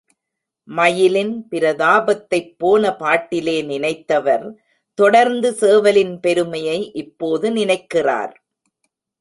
மயிலின் பிரதாபத்தைப் போன பாட்டிலே நினைத்தவர், தொடர்ந்து சேவலின் பெருமையை இப்போது நினைக்கிறார்.